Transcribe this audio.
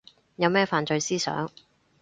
有咩犯罪思想